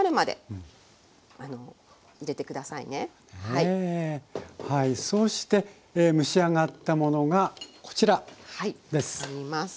はいそして蒸し上がったものがこちらです。